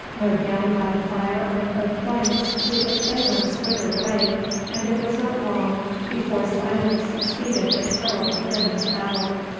Mowed down by the fire on both flanks the assailants withered away, and it was not long before silence succeeded the terrible din of battle.